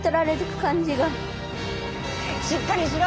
しっかりしろ！